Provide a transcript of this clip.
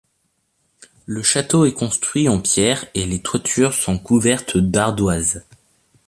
Le château est construit en pierres et les toitures sont couvertes d'ardoise.